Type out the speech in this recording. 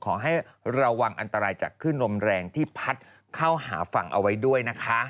ขอให้ระวังอันตรายจากขึ้นลมแรงที่พัดเข้าหาฝั่งเอาไว้ด้วยนะคะ